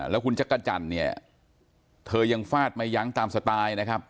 แล้วคุณจักรจันทร์เนี่ยเธอยังฟาดไม่ยั้งตามสไตล์นะครับ